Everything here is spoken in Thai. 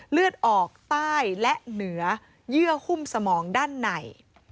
เลือดออกใต้และเหนือเยื่อหุ้มสมองด้านใน